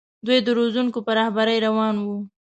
دوی د روزونکو په رهبرۍ روان وو.